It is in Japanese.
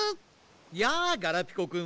やあガラピコくん。